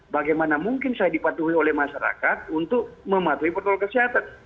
bagaimana mungkin saya dipatuhi oleh masyarakat untuk mematuhi protokol kesehatan